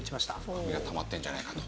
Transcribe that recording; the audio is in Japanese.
カビがたまってるんじゃないかと。